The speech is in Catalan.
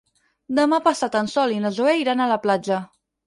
Demà passat en Sol i na Zoè iran a la platja.